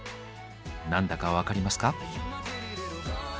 何だか分かりますか？